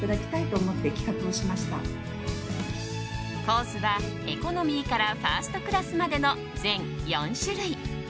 コースはエコノミーからファーストクラスまでの全４種類。